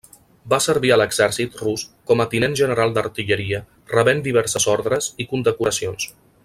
Va servir a l'exèrcit rus com a tinent general d'artilleria rebent diverses ordes i condecoracions.